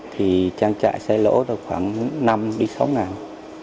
thì trang trại sẽ lỗ khoảng năm sáu ngàn